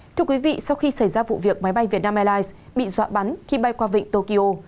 thưa quý vị sau khi xảy ra vụ việc máy bay vietnam airlines bị dọa bắn khi bay qua vịnh tokyo